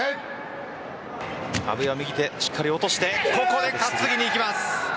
阿部は右手しっかり落としてここで担ぎにいきます。